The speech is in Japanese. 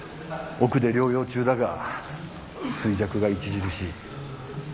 奥で療養中だが衰弱が著しい